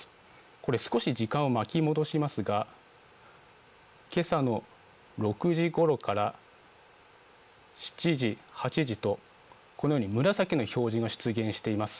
これ少し時間を巻き戻しますがけさの６時ごろから７時、８時とこのように紫の表示が出現しています。